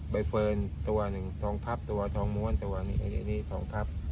ไปเฟิร์นตัวหนึ่งทองพับตัวทองม้วนตัวอันนี้อันนี้นี่ทองพับ